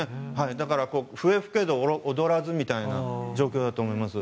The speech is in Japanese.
だから、笛吹けど踊らずみたいな状況だと思います。